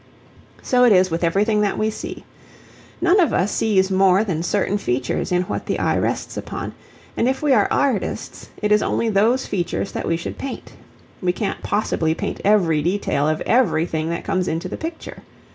So it is with everything that we see. None of us sees more than certain features in what the eye rests upon, and if we are artists it is only those features that we should paint. We can't possibly paint every detail of everything that comes into the picture.